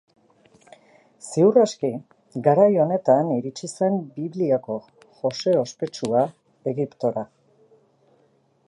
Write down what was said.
Ziur aski, garai honetan iritsi zen Bibliako Jose ospetsua Egiptora.